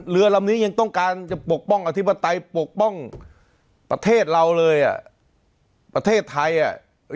เรือลำนี้ยังต้องการจะปกป้องอธิปไตยปกป้องประเทศเราเลยอ่ะประเทศไทยอ่ะ